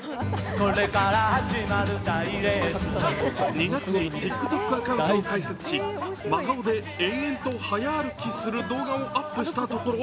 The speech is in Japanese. ２月にＴｉｋＴｏｋアカウントを開設し真顔で延々と早歩きする動画をアップしたところ